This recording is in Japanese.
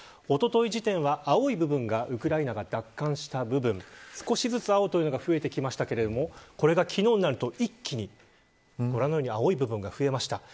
おととい時点、青い部分がウクライナが奪還した部分少しずつ青が増えてきましたけれどもこれが昨日になると一気に、ご覧のように青い部分が増えました。